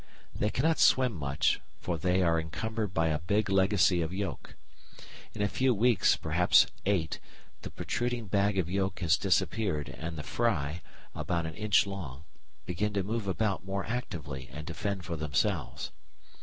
They cannot swim much, for they are encumbered by a big legacy of yolk. In a few weeks, perhaps eight, the protruding bag of yolk has disappeared and the fry, about an inch long, begin to move about more actively and to fend for themselves.